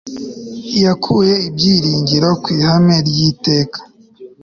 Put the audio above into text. yakuye ibyiringiro ku ihame ry'iteka